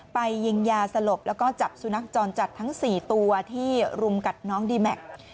ไปยิงยาสลบแล้วก็จับสุนัขจรจัดทั้ง๔ตัวที่รุมกัดน้องดีแม็กซ์